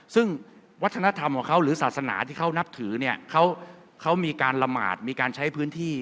ซึ่งวัฒนธรรมของเขาหรือศาสนาที่เขานับถือเนี่ยเขามีการละหมาดมีการใช้พื้นที่